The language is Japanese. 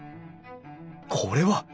これは！